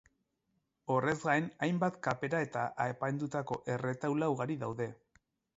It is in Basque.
Horrez gain, hainbat kapera eta apaindutako erretaula ugari daude.